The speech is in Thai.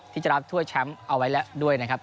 ที่จะรับถ้วยแชมป์เอาไว้แล้วด้วยนะครับ